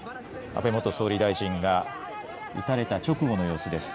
安倍元総理大臣が撃たれた直後の様子です。